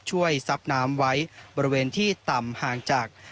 ซับน้ำไว้บริเวณที่ต่ำห่างจาก